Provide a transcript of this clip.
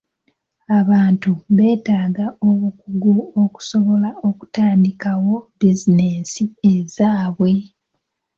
Abantu beetaaga obukugu okusobola okutandikawo bizinensi ezaabwe.